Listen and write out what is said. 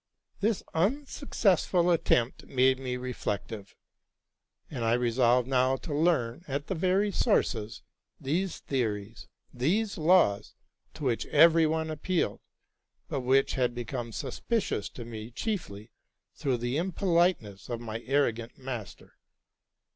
This unsuccessful attempt had made me reflective ; and L resolved now to learn, at the very sources, these theories, these laws, to which every one appealed, but which had 90 TRUTH AND FICTION become suspicious to me chiefly through the unpoliteness of my arrogant master.